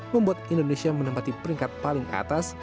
membuat indonesia menempati peringkat paling atas